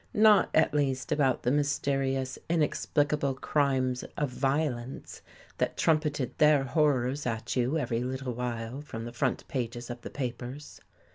Not, at least, about the mysterious, inexplic able crimes of violence that trumpeted their horrors at you every little while from the front pages of the papers.